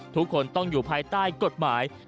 ทุกคนต้องอยู่ภายใต้กฎหมาย